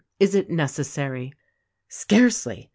Is it necessary?" "Scarcely!